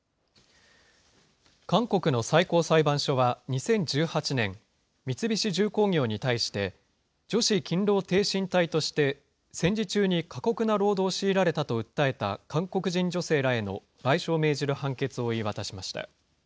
韓国の最高裁判所は、２０１８年、三菱重工業に対して、女子勤労てい身隊として戦時中に過酷な労働を強いられたと訴えた韓国人女性らへの賠償を命じる判決を言い渡しました。